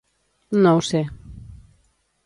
No ho sé.